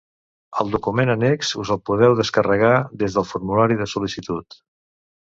El document annex, us el podeu descarregar des del formulari de sol·licitud.